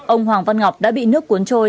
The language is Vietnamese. ông hoàng văn ngọc đã bị nước cuốn trôi